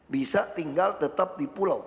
bisa tinggal tetap di pulau